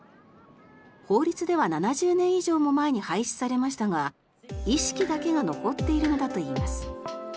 法律では、７０年以上も前に廃止されましたが意識だけが残っているのだといいます。